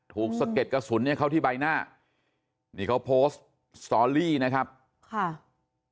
สะเก็ดกระสุนเนี่ยเข้าที่ใบหน้านี่เขาโพสต์สตอรี่นะครับค่ะ